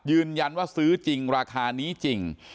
ยืนยันว่าซื้อจริงราคานี้จริง